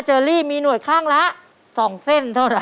เจอรี่มีหนวดข้างละสองเส้นเท่าได้